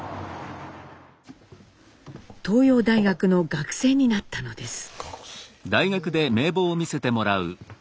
東洋大学の学生になったのです。